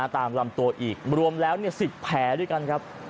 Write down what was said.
ตามลำตัวอีกรวมแล้ว๑๐แผลด้วยกันครับ